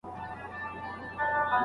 هغه د تاريخ له تجربو زده کړه کوله.